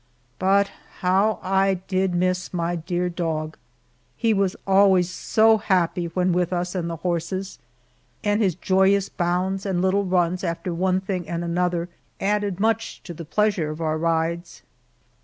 But how I did miss my dear dog! He was always so happy when with us and the horses, and his joyous bounds and little runs after one thing and another added much to the pleasure of our rides.